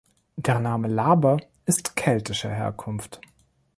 Der Name „Laber“ ist keltischer Herkunft.